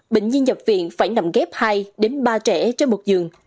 bệnh nhi nhập viện phải nằm ghép hai ba trẻ trên một giường